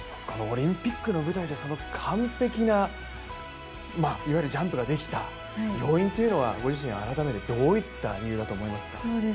このオリンピックの舞台で完璧なジャンプができた要因っていうのは、ご自身改めてどういったものだと思いますか。